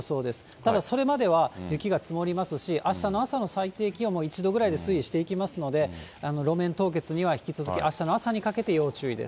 ただ、それまでは雪が積もりますし、あしたの朝の最低気温も、１度ぐらいで推移していきますので、路面凍結には引き続きあしたの朝にかけて要注意です。